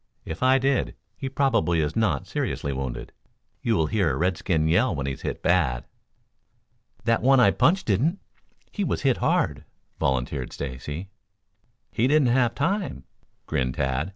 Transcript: If I did, he probably is not seriously wounded. You'll hear a redskin yell when he's hit bad." "That one I punched didn't. He was hit hard," volunteered Stacy. "He didn't have time," grinned Tad.